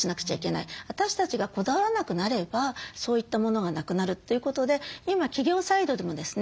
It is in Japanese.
私たちがこだわらなくなればそういったものがなくなるということで今企業サイドでもですね